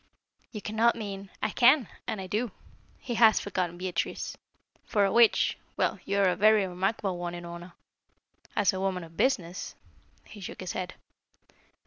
"You cannot mean " "I can, and I do. He has forgotten Beatrice. For a witch well, you are a very remarkable one, Unorna. As a woman of business " He shook his head.